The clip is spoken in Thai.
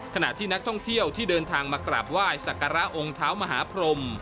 ขณะที่นักท่องเที่ยวที่เดินทางมากราบไหว้สักการะองค์เท้ามหาพรม